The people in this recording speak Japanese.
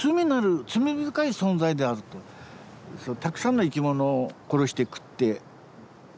たくさんの生き物を殺して食って。